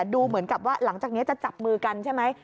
ดูเหมือนกับว่าหลังจากนี้จะจับมือกันใช่ไหม